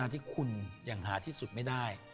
ที่คุณอย่างหาที่สุดไม่ได้